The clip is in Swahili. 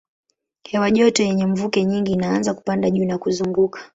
Hewa joto yenye mvuke nyingi inaanza kupanda juu na kuzunguka.